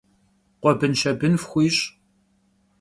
Khuebınşebın fxuiş'!